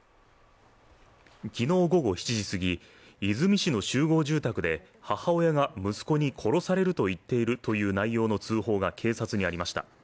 昨日午後７時すぎ、和泉市の集合住宅で、母親が息子に殺されると言っているという内容の通報が警察にありました。